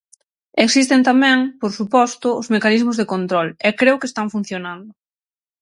Existen tamén, por suposto, os mecanismos de control, e creo que están funcionando.